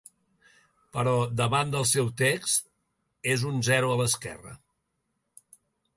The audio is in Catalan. Però, davant del seu text, és un zero a l'esquerra.